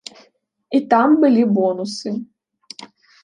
І там былі бонусы.